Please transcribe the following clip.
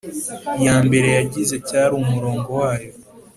Ya mbere yagize cyari umurongo wayo